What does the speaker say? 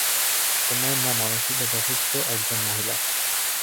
তোমার মা মানসিকভাবে অসুস্থ একজন মহিলা।